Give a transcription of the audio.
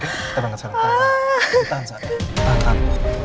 kita berangkat sekarang tahan tahan